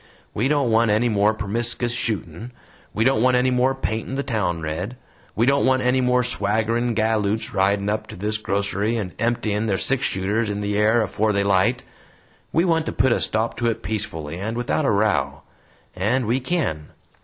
We don't want any more permiskus shootin'. We don't want any more paintin' the town red. We don't want any more swaggerin' galoots ridin' up to this grocery and emptyin' their six shooters in the air afore they 'light. We want to put a stop to it peacefully and without a row and we kin.